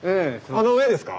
あの上ですか？